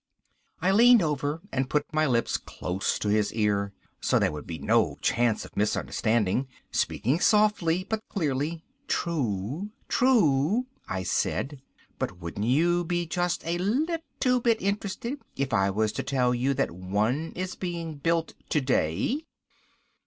I leaned over and put my lips close to his ear. So there would be no chance of misunderstanding. Speaking softly, but clearly. "True, true," I said. "But wouldn't you be just a little bit interested if I was to tell you that one is being built today?"